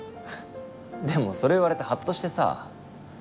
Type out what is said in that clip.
でもそれ言われてハッとしてさ。